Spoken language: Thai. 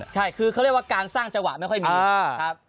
หมายถึงใช่เลยเขาเรียกว่าการสร้างจับห่วงไม่ไหวมี่ส์